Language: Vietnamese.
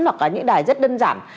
hoặc là những cái đài rất đơn giản